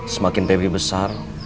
semakin pebri besar